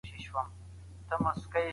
خالد